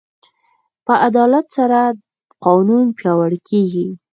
په عدالت سره قانون پیاوړی کېږي.